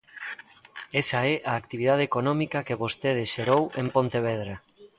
Esa é a actividade económica que vostede xerou en Pontevedra.